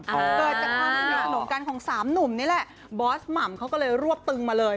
เกิดจากความสนิทสนมกันของสามหนุ่มนี่แหละบอสหม่ำเขาก็เลยรวบตึงมาเลย